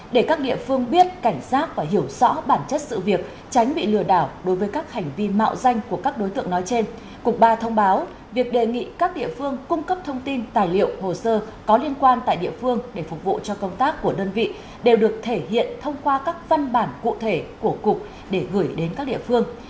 để các địa phương biết cảnh giác và hiểu rõ bản chất sự việc tránh bị lừa đảo đối với các hành vi mạo danh của các đối tượng nói trên cục ba thông báo việc đề nghị các địa phương cung cấp thông tin tài liệu hồ sơ có liên quan tại địa phương để phục vụ cho công tác của đơn vị đều được thể hiện thông qua các văn bản cụ thể của cục để gửi đến các địa phương